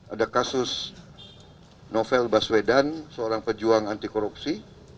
ada kasus novel baswedan seorang pejuang anti korupsi